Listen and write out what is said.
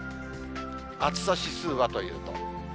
暑さ指数はというと。